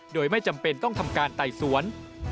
โดยไม่จำเป็นต้องทำการไต่สวน